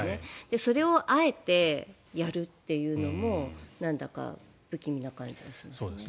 それをあえてやるというのもなんだか不気味な感じがします。